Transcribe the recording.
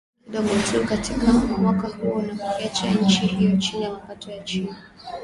na limeongezeka kidogo tu katika mwaka huo, na kuiacha nchi hiyo chini ya mapato ya chini .